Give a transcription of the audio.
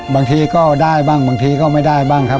บางทีก็ได้บ้างบางทีก็ไม่ได้บ้างครับ